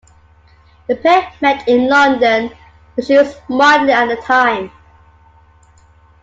The pair met in London where she was modeling at the time.